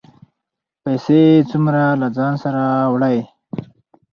پیسې څومره له ځانه سره وړئ؟